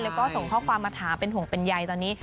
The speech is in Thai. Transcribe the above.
แล้วก็ส่งข้อความมาถามเป็นห่วงเป็นใยตอนนี้